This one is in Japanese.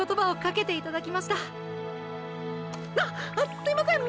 すいませんっ